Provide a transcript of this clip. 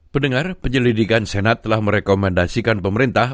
pendengar penyelidikan senat telah merekomendasikan pemerintah